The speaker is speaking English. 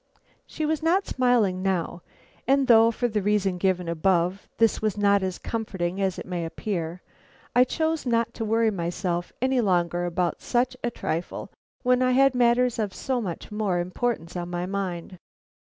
She was not smiling now, and though, for the reason given above, this was not as comforting as it may appear, I chose not to worry myself any longer about such a trifle when I had matters of so much importance on my mind.